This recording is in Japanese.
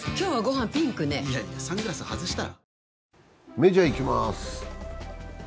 メジャーいきます。